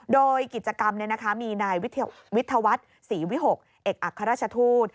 โดยกิจกรรมมีนายวิทยาวัฒน์ศรีวิหกเอกอัครราชทูต